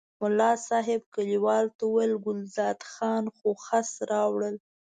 ملا صاحب کلیوالو ته وویل ګلداد خان خو خس راوړل.